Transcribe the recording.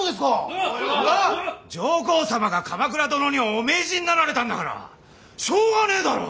上皇様が鎌倉殿にお命じになられたんだからしょうがねえだろ！